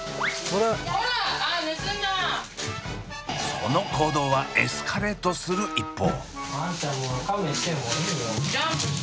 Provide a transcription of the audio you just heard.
その行動はエスカレートする一方。